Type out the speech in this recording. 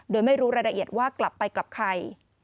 โดยไม่รู้รายละเอียดว่ากลับไปกับใคร